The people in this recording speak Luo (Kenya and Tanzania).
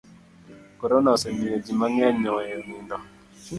Korona osemiyo ji mang'eny oweyo nindo.